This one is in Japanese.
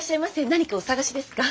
何かお探しですか？